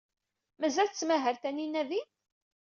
Mazal tettmahal Taninna din?